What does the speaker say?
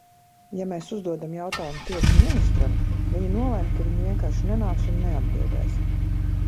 Ja mēs uzdodam jautājumu tieši ministram, viņi nolemj, ka viņi vienkārši nenāks un neatbildēs.